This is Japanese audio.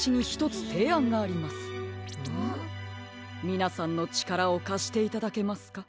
みなさんのちからをかしていただけますか？